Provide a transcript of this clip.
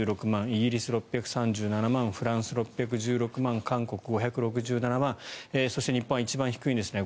イギリス、６３７万フランス、６１６万円韓国、５６７万円日本は一番低いですね